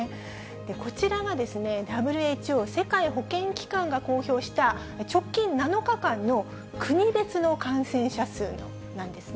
こちらがＷＨＯ・世界保健機関が公表した、直近７日間の国別の感染者数なんですね。